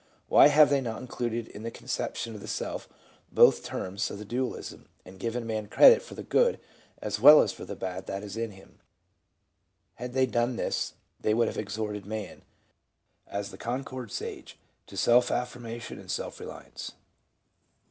Why have they not included in the conception of the "self" both terms of the dualism and given man credit for the good as well as for the bad that is in him? Had they done this, they would have exhorted man, as the Concord Sage, to self affirmation and self reliance.